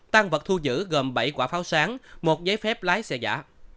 tăng vật thu giữ gồm bảy quả pháo sáng một giấy phép lái xe giả